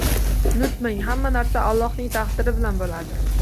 Unutmag, hamma narsa Allohning taqdiri bilan bo‘ladi.